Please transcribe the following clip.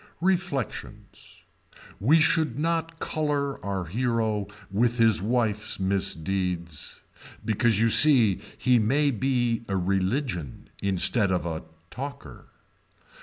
Reflections. We should not color our hero with his wife's misdeeds. Because you see he may be a religion instead of a talker.